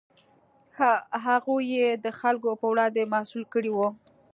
هغوی یې د خلکو په وړاندې مسوول کړي وو.